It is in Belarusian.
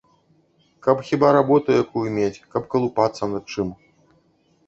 Каб хіба работу якую мець, каб калупацца над чым.